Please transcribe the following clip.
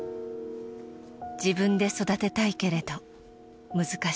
「自分で育てたいけれど難しい」。